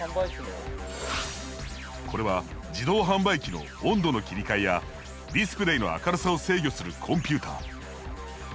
これは自動販売機の温度の切り替えやディスプレイの明るさを制御するコンピューター。